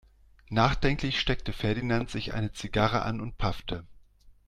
Nachdenklich steckte Ferdinand sich eine Zigarre an und paffte.